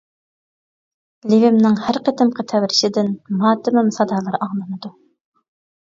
لېۋىمنىڭ ھەر قېتىمقى تەۋرىشىدىن، ماتىمىم سادالىرى ئاڭلىنىدۇ.